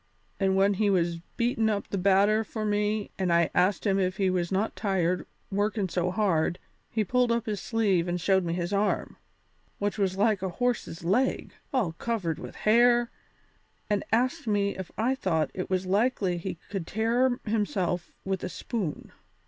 And when he was beatin' up that batter for me and I asked him if he was not tired workin' so hard, he pulled up his sleeve and showed me his arm, which was like a horse's leg, all covered with hair, and asked me if I thought it was likely he could tear himself with a spoon.